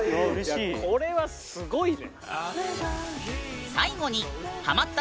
いやこれはすごいね。